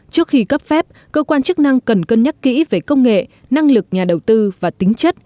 trước khi cấp phép cơ quan chức năng cần cân nhắc kỹ về công nghệ năng lực nhà đầu tư và tính chất